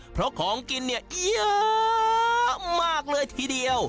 เพราะของกินเนี่ยเยอะมากเลยทีเดียว